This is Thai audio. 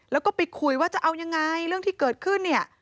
แล้วก็ไปคุยว่าจะเอายังไงเรื่องที่เกิดขึ้นเนี่ย